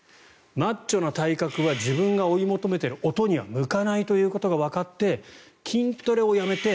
マッチョな体格は自分が追い求めている音には向かないということがわかって筋トレをやめて